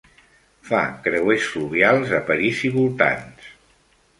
Fa creuers fluvials a París i voltants.